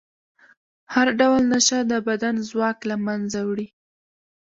هر ډول نشه د بدن ځواک له منځه وړي.